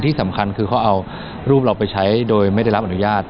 ที่สำคัญคือเขาเอารูปเราไปใช้โดยไม่ได้รับอนุญาต